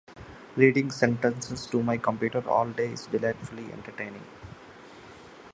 Reading sentences to my computer all day is delightfully entertaining!